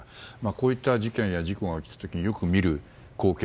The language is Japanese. こういった事件や事故があった時によく見る光景。